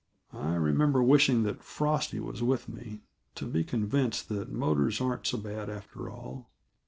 I remember wishing that Frosty was with me, to be convinced that motors aren't so bad after all.